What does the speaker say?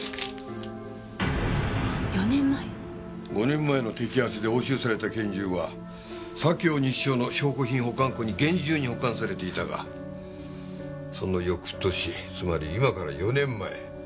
５年前の摘発で押収された拳銃は左京西署の証拠品保管庫に厳重に保管されていたがその翌年つまり今から４年前。